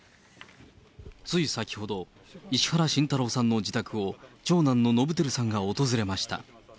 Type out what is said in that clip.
つい先ほど、石原慎太郎さんの自宅を長男の伸晃さんが訪れました。